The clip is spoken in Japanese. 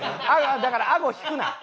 だからあご引くな。